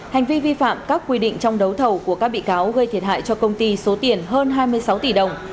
hành vi vi phạm các quy định trong đấu thầu của các bị cáo gây thiệt hại cho công ty số tiền hơn hai mươi sáu tỷ đồng